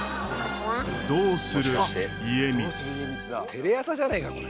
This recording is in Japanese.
テレ朝じゃねえかこれ。